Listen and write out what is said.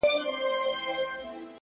د زړو غمونو یاري؛ انډيوالي د دردونو؛